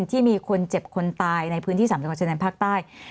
ที่มีคนเจ็บคนตายในพื้นที่๓จังหวัดชายแดนภาคใต้